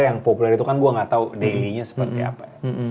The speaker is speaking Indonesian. yang populer itu kan gue gak tau daily nya seperti apa